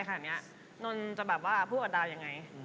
ไหนจะบอกว่าพูดกันยังไง